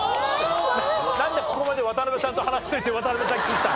なんでここまで渡邉さんと話しておいて渡邉さん切った？